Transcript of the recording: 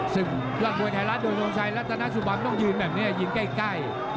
ศึกยอดมวยไทยรัฐโดยทรงชัยรัฐนาสุบันต้องยืนแบบนี้ยืนใกล้